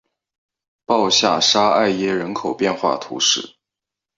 鲍下沙艾耶人口变化图示